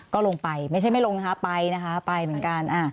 ก็ลงไปไม่ใช่ไม่ลงนะคะไปนะคะไปเหมือนกัน